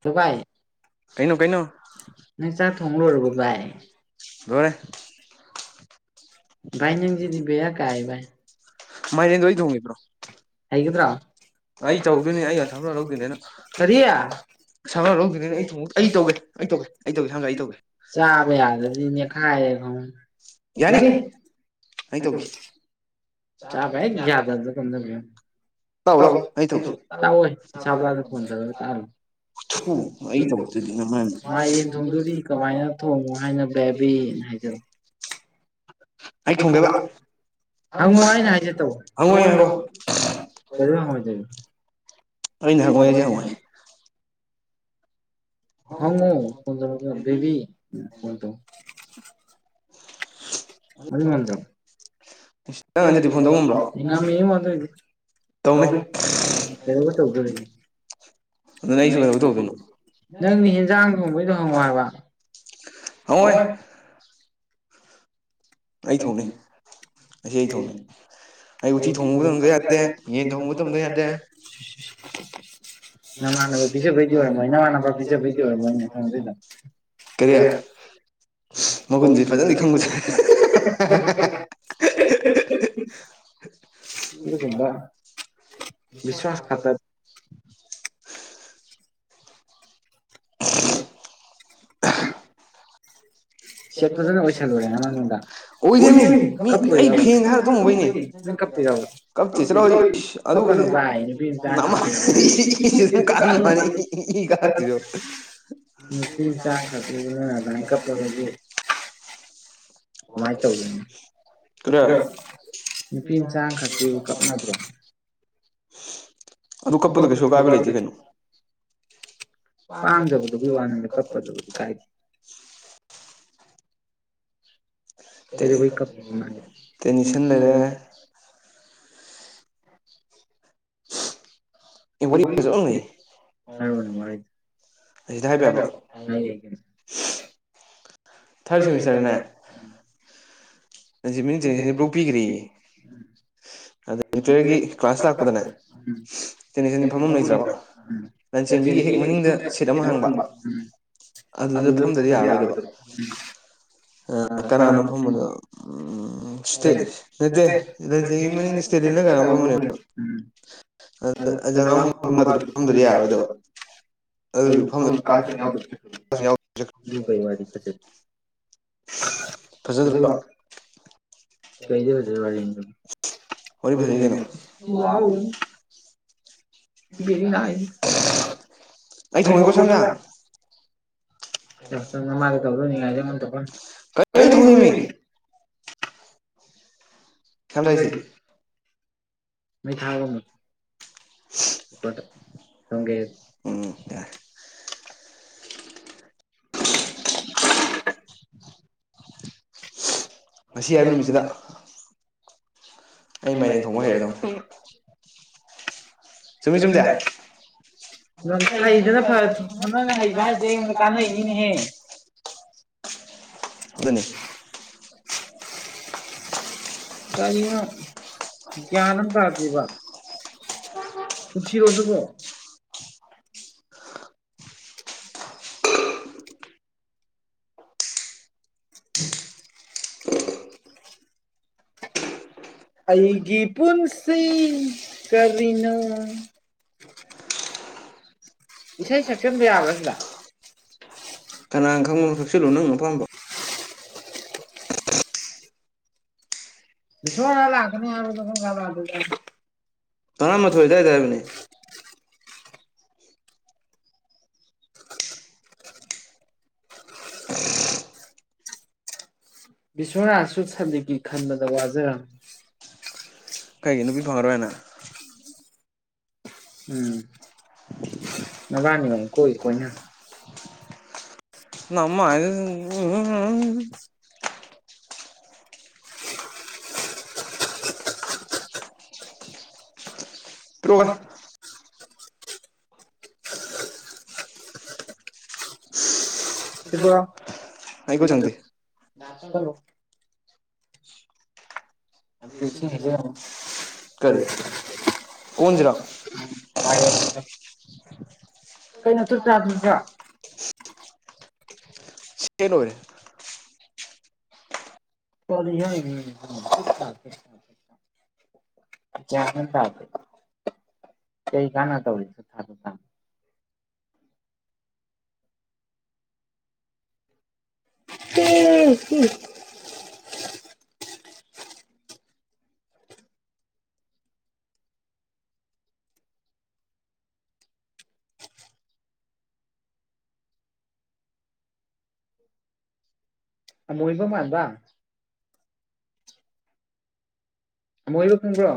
ꯍꯥꯜꯂꯣ ꯚꯥꯏ ꯅꯪ ꯆꯥꯛ ꯊꯣꯡ ꯂꯣꯏꯔꯕꯣ ꯚꯥꯏ ꯂꯣꯢꯔꯦ ꯚꯥꯢ ꯅꯪꯁꯤꯗꯤ ꯕꯦꯔꯥ ꯀꯥꯢ ꯚꯥꯢ ꯃꯥꯏꯔꯦꯟꯗꯨ ꯑꯩ ꯊꯣꯡꯒꯦꯀꯣ ꯍꯩꯒꯗ꯭ꯔꯣ ꯀꯔꯤ ꯆꯥꯕ ꯌꯥꯗ꯭ꯔꯗꯤꯅꯦ ꯀꯥꯢꯔꯦ ꯈꯪꯉꯨ ꯌꯥꯅꯤ ꯑꯩ ꯇꯧꯒ ꯆꯥꯕ ꯍꯦꯛ ꯌꯥꯗꯕꯗ ꯀꯝꯗꯧꯒꯦ ꯌꯣ ꯇꯥꯎ [unintelligible] ꯇꯥꯎꯑꯣ ꯁꯥꯕꯗ ꯐꯣꯟ ꯇꯧ ꯇꯔꯨ [unintelligible] ꯃꯥꯏ ꯌꯦꯟ ꯊꯣꯡꯗꯨꯗꯤ ꯀꯃꯥꯏꯅ ꯊꯣꯡꯉꯣ ꯍꯥꯏꯅ ꯕꯦꯕꯤ ꯍꯥꯏꯖ ꯑꯩ ꯊꯣꯡꯒꯦꯕ [unintelligible] ꯍꯪꯉꯣꯏ ꯍꯥꯏꯌꯣ [inaudible] ꯑꯩꯅ ꯍꯪꯉꯣꯏꯁꯦ ꯍꯪꯉꯣꯏ ꯍꯪꯉꯣ ꯐꯣꯟ ꯇꯧꯔꯒꯥ ꯕꯦꯕꯤ ꯀꯣꯟ ꯇꯧ [inaudible] [unintelligible] [unintelligible] [unintelligible] ꯇꯧꯗꯣꯏ [unintelligible] ꯅꯪꯗꯤ ꯍꯟꯖꯥꯡ ꯊꯣꯡꯕꯩꯗꯣ ꯍꯪꯉꯨ ꯍꯥꯏꯕ ꯍꯪꯑꯣꯏ ꯑꯩ ꯊꯣꯡꯅꯤ ꯑꯁꯤ ꯑꯩ ꯊꯣꯡꯅꯤ ꯑꯩꯌ ꯎꯇꯤ ꯊꯝꯍꯕ ꯊꯝꯗ ꯌꯥꯗꯦ ꯌꯦꯟ ꯊꯝꯕ ꯊꯗ ꯌꯥꯗꯦ [unintelligible] ꯀꯔꯤ [unintelligible] [unintelligible] ꯚꯤꯁ꯭ꯋꯥꯁ ꯈꯥꯇꯠ [inaudible] [inaudible] ꯆꯦꯠ ꯐꯖꯅ ꯑꯣꯏꯁꯦꯜꯂꯔꯦꯅꯨꯡꯗ [unintelligible] ꯅꯪ ꯀꯞꯄꯤꯔꯕ ꯀꯞꯇꯦ ꯆꯠꯂꯣꯍꯦ [unintelligible] [unintelligible] ꯅꯨꯄꯤ ꯃꯆꯥ [unintelligible] ꯀꯗꯒꯤ ꯀꯃꯥꯏꯅ ꯇꯧꯒꯅꯤ ꯑꯗ ꯅꯨꯄꯤ ꯃꯆꯥꯈꯛꯀꯤꯕꯨ ꯀꯞꯅꯕ꯭ꯔꯣ ꯑꯗꯨ ꯀꯞꯄꯗꯣ ꯀꯩꯁꯨ ꯑꯀꯥꯏꯕ ꯂꯩꯇꯦ ꯀꯩꯅꯣ ꯄꯥꯡꯗꯕꯗꯨꯕꯨꯒꯤ ꯋꯥ ꯅꯤꯗ ꯀꯞꯄꯗꯕꯨꯗꯤ ꯀꯥꯏꯗꯦ ꯇꯦꯟꯁꯟ ꯂꯩꯔꯦ [unintelligible] [unintelligible] ꯊꯥꯔꯠ ꯁꯦꯃꯤꯁꯇꯔꯅꯦ [unintelligible] ꯄꯤꯒꯔꯤꯌꯦ [unintelligible] [unintelligible] ꯑꯗꯨꯗ ꯐꯨꯝꯗ꯭ꯔꯗꯤ ꯌꯔ ꯔꯣꯢꯗꯕ ꯑ ꯀꯅꯥꯅ ꯐꯝꯕꯅꯣ ꯎꯝ ꯁ꯭ꯇꯦꯠ ꯅꯠꯇꯦ ꯔꯟꯖꯒꯤ ꯃꯅꯤꯡꯗ ꯁ꯭ꯇꯦꯠꯂꯤꯅ ꯀꯥꯟꯅ ꯐꯝꯃꯅꯦꯕ ꯎꯝ [unintelligible] ꯌꯥꯔꯣꯏꯗꯕ ꯑꯗꯨ [unintelligible] [unintelligible] ꯐꯖꯗ꯭ꯔꯣ ꯀꯩꯗꯗ ꯑꯣꯏꯗꯣꯏ ꯋꯥꯔꯤ [unintelligible] ꯕꯦꯔꯤ ꯅꯥꯁ ꯑꯩ ꯊꯣꯡꯒꯦꯒꯣ ꯆꯥꯛ ꯌꯦꯟꯁꯥꯡ ꯌꯥꯝ ꯆꯪꯅ ꯃꯥꯗꯤ ꯇꯧꯔꯣꯏꯅꯤ ꯉꯥꯏꯁꯦꯟ [unintelligible] ꯇꯧ ꯀꯔꯤ ꯂꯩ ꯈ ꯌꯥꯝ ꯂꯩ ꯃꯩ ꯊꯥꯒ [unintelligible] [inaudible] [inaudible] [unintelligible] ꯉꯁꯤ ꯍꯥꯏꯕ ꯅꯨꯃꯤꯠꯁꯤꯗ ꯑꯩ ꯃꯥꯏꯔꯦꯡ ꯊꯣꯡꯕ ꯍꯩꯔꯗꯧꯅꯤ [inaudible] ꯇꯃꯤ ꯀꯗ [unintelligible] ꯝꯇ [unintelligible] ꯍꯩꯗꯅ ꯊꯅꯅ ꯍꯩꯕ ꯍꯥꯏꯁꯦ ꯑꯩꯉꯣꯟꯗ ꯀꯥꯟꯅꯩꯅꯤꯅꯦꯍꯦ ꯑꯗꯨꯅꯦ ꯀꯔꯤꯅꯣ ꯒꯌꯥꯟ ꯑꯝ ꯇꯥꯗꯦꯕ ꯄꯨꯟꯁꯤꯔꯣ ꯑꯗꯨꯕꯣ ꯑꯩꯒꯤ ꯄꯨꯟꯁꯤ ꯀꯔꯤꯅꯣ ꯏꯁꯩ ꯁꯛꯆꯤꯟꯕ ꯌꯥꯕ꯭ꯔꯥ ꯁꯤꯗ ꯀꯅꯥ ꯈꯪꯕꯅꯣ ꯁꯥꯛꯆꯤꯜꯂꯣ ꯅꯪ ꯑꯄꯥꯝꯕ [unintelligible] ꯁꯈꯅꯤꯔ ꯀꯔꯥꯝ ꯒꯥꯟ ꯂꯥꯛꯇꯨꯢ ꯖꯠꯅꯣ ꯇꯔꯥꯃꯥꯊꯣꯏ ꯑꯗꯨꯋꯥꯏꯗ ꯍꯥꯏꯕꯅꯦ ꯕꯤꯁꯅꯥ [unintelligible] ꯁꯨ ꯁꯂꯤꯛꯀꯤ ꯈꯟꯕꯗ ꯋꯥꯖꯔꯝꯃꯤ ꯀꯩꯒꯤ ꯅꯨꯄꯤ ꯐꯪꯉꯔꯣꯢ ꯍꯥꯏꯅ ꯎꯝ ꯅꯕꯥꯅꯤ ꯑꯣꯢꯅ ꯀꯣꯏꯒꯦ ꯀꯣꯏꯅꯔꯣ ꯅꯃꯥꯢꯗꯨꯗ ꯇꯨꯋꯥ [unintelligible] ꯑꯩ ꯈꯨꯠ ꯁꯪꯗꯦ ꯆꯁꯦ ꯑ [inaudible] ꯀꯩꯅꯣ ꯆꯨꯆꯥ ꯆꯨꯆꯥ ꯁꯤꯅ ꯑꯣꯏꯔꯦ [unintelligible] ꯒ꯭ꯋꯥꯟ ꯃꯦꯟ ꯑꯝ ꯇꯥꯗꯦ ꯀꯩ ꯀꯅꯥ ꯇꯧꯔꯤꯅꯣ [unintelligible] ꯑꯃꯣꯏꯕ ꯃꯥꯟꯕꯥ ꯑꯃꯣꯏꯕ ꯈꯪꯕ꯭ꯔꯣ